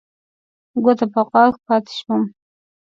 ګوته په غاښ پاتې شوم.